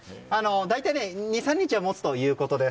大体、２３日は持つということです。